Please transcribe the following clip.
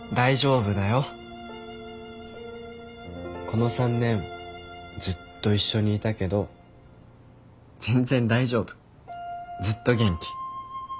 この３年ずっと一緒にいたけど全然大丈夫ずっと元気。